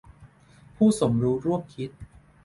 ผู้สมรู้ร่วมคิด